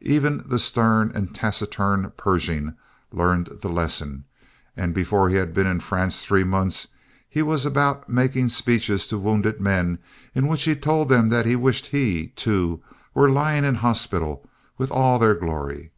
Even the stern and taciturn Pershing learned the lesson, and before he had been in France three months he was about making speeches to wounded men in which he told them that he wished that he, too, were lying in hospital with all their glory.